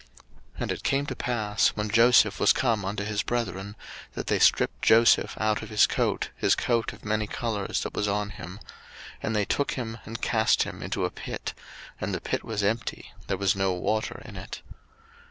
01:037:023 And it came to pass, when Joseph was come unto his brethren, that they stript Joseph out of his coat, his coat of many colours that was on him; 01:037:024 And they took him, and cast him into a pit: and the pit was empty, there was no water in it.